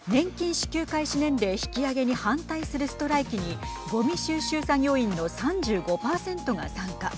支給開始年齢引き上げに反対するストライキにごみ収集作業員の３５％が参加。